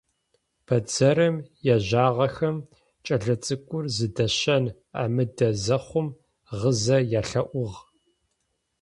Бэдзэрым ежьагъэхэм кӏэлэцӏыкӏур зыдащэн амыдэ зэхъум гъызэ ялъэӏугъ.